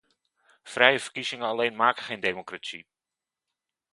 Vrije verkiezingen alleen maken geen democratie.